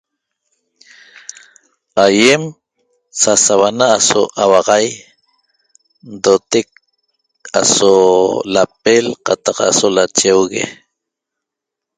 Aiem saso ahuana aso ahuaxaixc ndootek aso lapel cataq aso lachehxohie